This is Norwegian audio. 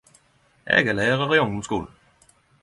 Eg er lærar i ungdomsskulen.